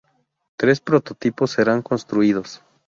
Tres prototipos serán construidos.